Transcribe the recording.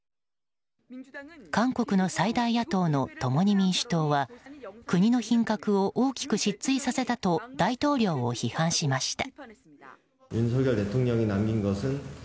韓国の最大野党の、共に民主党は国の品格を大きく失墜させたと大統領を批判しました。